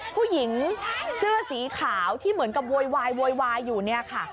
ผู้หญิงเสื้อสีขาวที่เหมือนกับโวยวายโวยวายอยู่เนี่ยค่ะ